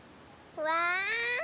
うわ。